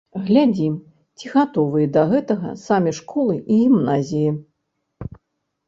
Глядзім, ці гатовыя для гэтага самі школы і гімназіі.